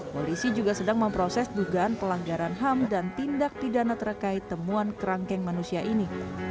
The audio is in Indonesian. polisi juga sedang memproses dugaan pelanggaran ham dan tindak pidana terkait temuan kerangkeng manusia ini